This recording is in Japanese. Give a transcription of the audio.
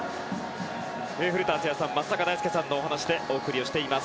古田敦也さん、松坂大輔さんのお話でお送りをしています。